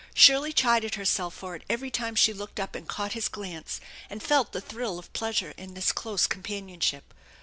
Shirley chided herself for it every time she looked up and caught his glance, and felt the thrill of pleasure in this close companionship.